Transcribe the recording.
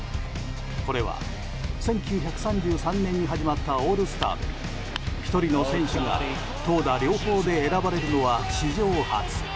これは、１９３３年に始まったオールスターで１人の選手が投打両方で選ばれるのは史上初。